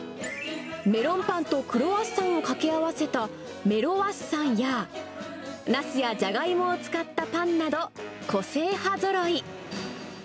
メロンパンとクロワッサンを掛け合わせた、メロワッサンや、ナスやジャガイモを使ったパンなど、個性派ぞろい。